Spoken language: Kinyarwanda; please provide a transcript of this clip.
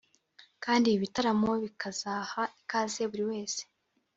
kandi ibi bitaramo bikazaha ikaze buri wese